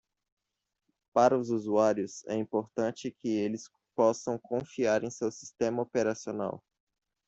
Para os usuários, é importante que eles possam confiar em seu sistema operacional.